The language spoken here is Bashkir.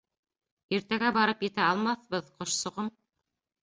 — Иртәгә барып етә алмаҫбыҙ, ҡошсоғом.